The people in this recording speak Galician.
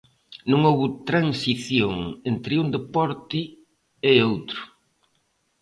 Non houbo transición entre un deporte e outro.